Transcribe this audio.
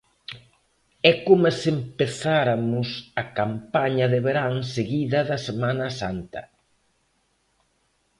É coma se empezaramos a campaña de verán seguida da Semana Santa.